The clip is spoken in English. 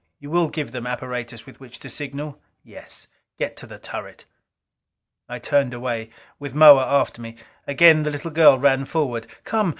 "You will give them apparatus with which to signal?" "Yes. Get to the turret." I turned away, with Moa after me. Again the little girl ran forward. "Come